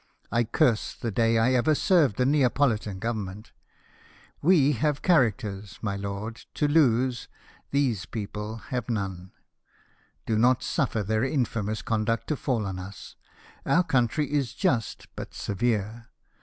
I curse the day I ever served the Neapolitan Govern ment. We have characters, my lord, to lose, these 204 LIFE OF NELSON. people have none. Do not suffer their infamous conduct to fall on us. Our country is just, but severe.